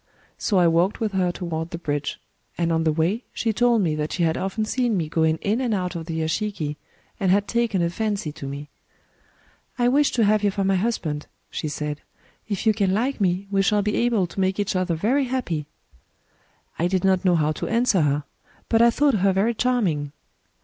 So I walked with her toward the bridge; and on the way she told me that she had often seen me going in and out of the yashiki, and had taken a fancy to me. * I wish to have you for my hus band/ she said; — *if you can like me, we shall Digitized by Googk 76 THE STORY OF CHUGORO be able to make each other very happy/ I did not know how to answer her; but I thought her very charming.